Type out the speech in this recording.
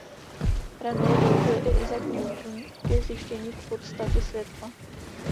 Hranolu využil i Isaac Newton ke zjištění podstaty světla.